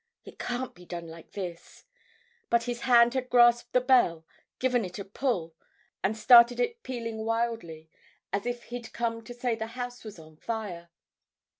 It can't be done like this. But his hand had grasped the bell, given it a pull, and started it pealing wildly, as if he'd come to say the house was on fire.